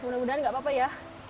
mudah mudahan nggak apa apa ya